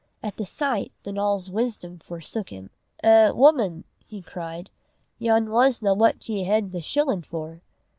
At the sight, Donal's wisdom forsook him. "Eh, wuman," he cried, "yon wasna what ye hed the shillin' for!"